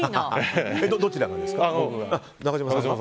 どちらがですか？